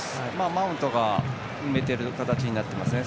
マウントが埋めている形になっていますね。